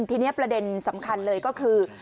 ทีนี้ประเด็นสำคัญเลยก็คือ